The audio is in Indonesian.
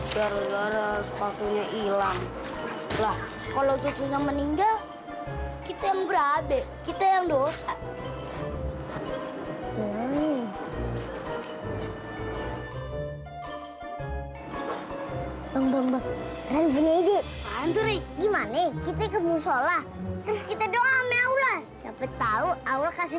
kalau cucunya meninggal kita yang berada kita yang dosa